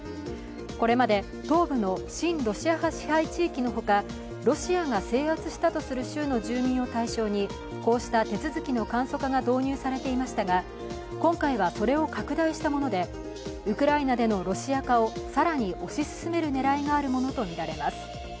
これまで東部の親ロシア派支配地域のほかロシアが制圧したとする州の住民を対象にこうした手続きの簡素化が導入されていましたが、今回はそれを拡大したものでウクライナでのロシア化を更に推し進める狙いがあるものとみられます。